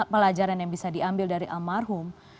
pelajaran yang bisa diambil dari almarhum